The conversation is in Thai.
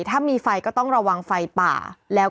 ถ้ามีไฟก็ต้องระวังไฟป่าแล้ว